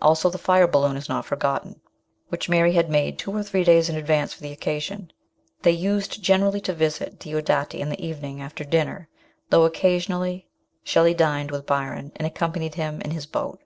Also the fire balloon is not forgotten, which Mary had made two or three days in advance for the occasion. They used generally to visit Diodati in the evening, after dinner, though occasionally Shelley dined with Byron, and accompanied him in his boat.